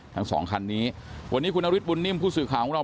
ทั้งสองคันนี้วันนี้คุณนฤทธบุญนิ่มผู้สื่อข่าวของเรา